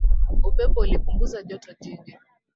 Upepo ulipunguza joto jingi